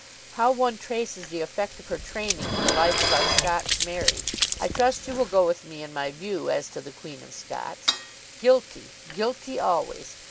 How one traces the effect of her training in the life of our Scotch Mary. I trust you will go with me in my view as to the Queen of Scots. Guilty! guilty always!